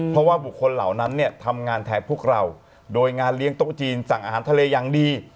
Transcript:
เพราะว่าบุคคลเหล่านั้นเนี่ยทำงานแทนพวกเราโดยงานเลี้ยงโต๊ะจีนสั่งอาหารทะเลอย่างดี